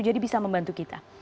jadi bisa membantu kita